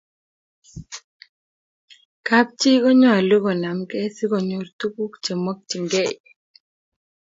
kap chii konyalu konamgei sikonyor tuguk che makchin gei